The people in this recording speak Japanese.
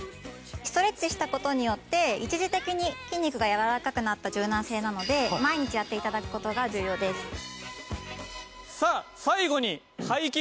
ストレッチした事によって一時的に筋肉が柔らかくなった柔軟性なので毎日やって頂く事が重要です。